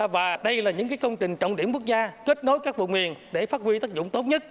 và đây là những công trình trọng điểm quốc gia kết nối các vùng miền để phát huy tác dụng tốt nhất